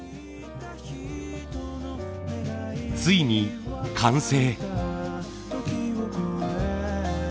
ついに完成。